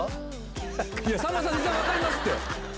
さんまさん分かりますって。